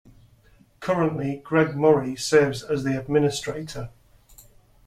Currently, Greg Murray serves as the Administrator.